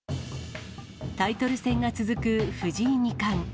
タイトル戦が続く藤井二冠。